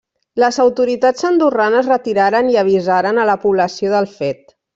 Les autoritats andorranes retiraren i avisaren a la població del fet.